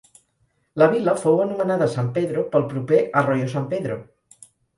La vila fou anomenada San Pedro pel proper Arroyo San Pedro.